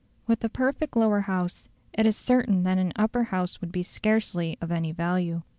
With a perfect Lower House it is certain that an Upper House would be scarcely of any value.